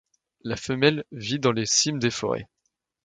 La femelle vit dans les cimes des forêts.